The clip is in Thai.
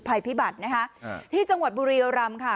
ภัยพิบัตินะคะที่จังหวัดบุรียรำค่ะ